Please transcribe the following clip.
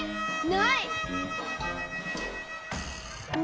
ない！